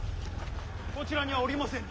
こちらにはおりませぬ。